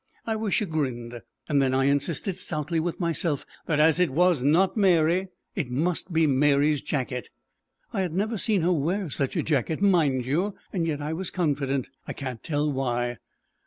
I was chagrined, and then I insisted stoutly with myself that, as it was not Mary, it must be Mary's jacket. I had never seen her wear such a jacket, mind you, yet I was confident, I can't tell why.